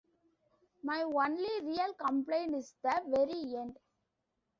My only real complaint is the very end.